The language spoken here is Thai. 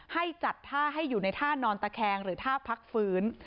ให้จัดท่าให้อยู่ในท่านอนตะแคงหรือท่าพักฟื้น